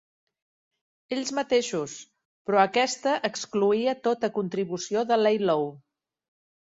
ells mateixos, però aquesta excloïa tota contribució de Laylaw.